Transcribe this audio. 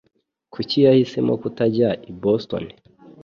Kuki yahisemo kutajya i Boston?